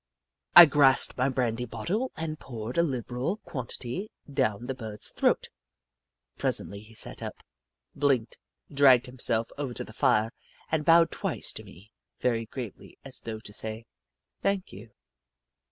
I grasped my brandy bottle and poured a liberal quantity down the Bird's throat. Pre sently he sat up, blinked, dragged himself over to the fire, and bowed twice to me, very gravely, as though to say, " Thank you."